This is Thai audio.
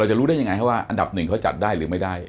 จะรู้ได้ยังไงว่าอันดับหนึ่งเขาจัดได้หรือไม่ได้